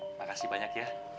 iya rum makasih banyak ya